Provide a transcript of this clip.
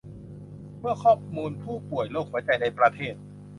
เมื่อข้อมูลของผู้ป่วยโรคหัวใจในประเทศ